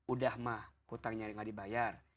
udah mah hutangnya nggak dibayar